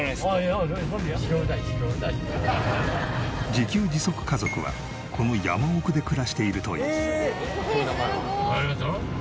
自給自足家族はこの山奥で暮らしているという。